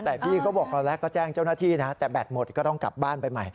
แต่บี้เขาบอกตอนแรกก็แจ้งเจ้าหน้าที่นะแต่แบตหมดก็ต้องกลับบ้านไปใหม่